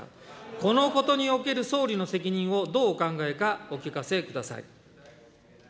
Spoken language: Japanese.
このことにおける総理の責任をどうお考えか、お聞かせください。